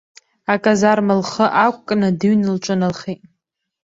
Аказарма лхы ақәкны дыҩны лҿыналхеит.